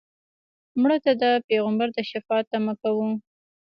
مړه ته د پیغمبر د شفاعت تمه کوو